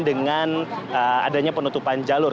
dengan adanya penutupan jalur